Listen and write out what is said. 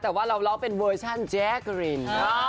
แต่ว่าเราร้องเป็นเวอร์ชันแจ๊กริน